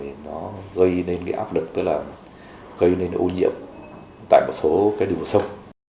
thì nó gây nên cái áp lực tức là gây nên ô nhiễm tại một số cái đường bờ sông